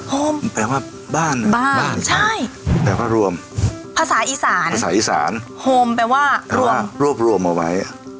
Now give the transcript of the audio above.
โฮมแปลว่ารวมแปลว่ารวบรวมเอาไว้